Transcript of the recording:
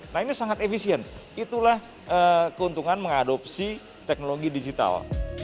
nah ini sangat efisien itulah keuntungan mengadopsi teknologi digital